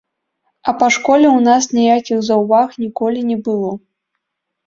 А па школе ў нас ніякіх заўваг ніколі не было.